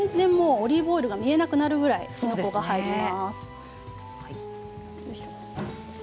オリーブオイルが見えなくなるぐらいきのこが入ります。